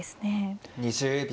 ２０秒。